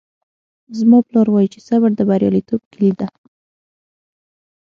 زما پلار وایي چې صبر د بریالیتوب کیلي ده